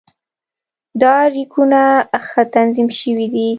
دا ریکونه ښه تنظیم شوي دي.